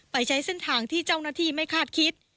ใช้เส้นทางที่เจ้าหน้าที่ไม่คาดคิด